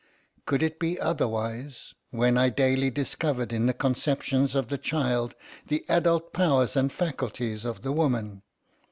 Could it be otherwise, when I daily discovered in the conceptions of the child the adult powers and faculties of the woman?